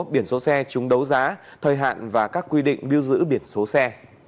biển số xe chúng đấu giá thời hạn và các quy định lưu giữ biển số xe